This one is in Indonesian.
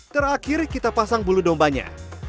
terakhir kita pasang bulu dombanya